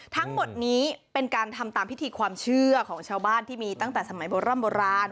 แบบนี้เป็นการทำตามพิธีความเชื่อของชาวบ้านที่มีตั้งแต่สมัยโบราณ